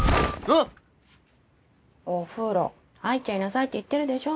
お風呂入っちゃいなさいって言ってるでしょ！